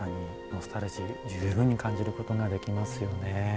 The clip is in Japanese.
ノスタルジー十分に感じることができますよね。